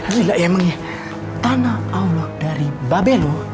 gila emangnya tanah allah dari babeluh